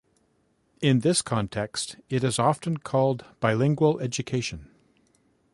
In this context, it is often called "bilingual education".